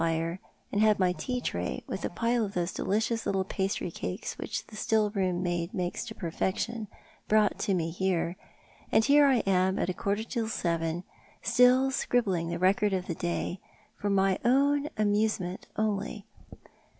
281 fire, and had mv tea tray, with a pile of those delicious little pastrv cakes which the still room maid makes to perfection, brought to me here, and hero I am at a quarter to seven still scribbling the record of the day, for my own amusement onlj.